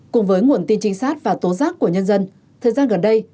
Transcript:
cùng với nguồn tin trinh sát và tố giác của nhân dân thời gian gần đây